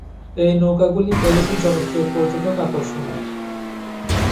এই নৌকাগুলি প্যারিসে জনপ্রিয় পর্যটক আকর্ষণ।